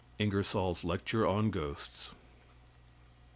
INGERSOLL'S LECTURE ON GHOSTS.